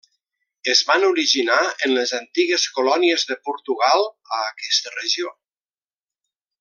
Es van originar en les antigues colònies de Portugal a aquesta regió.